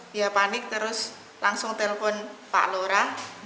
dia panik terus langsung telepon pak lora